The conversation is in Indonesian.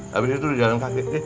habis itu jalan kaki